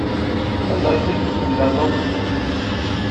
Anda ay tent-id-temlaleḍ?